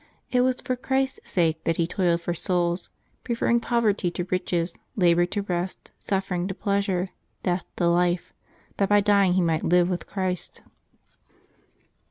It was for Christ's sake that he toiled for souls, preferring poverty to riches, labor to rest, suffering to pleasure, death to life, that by dying he might live with Christ.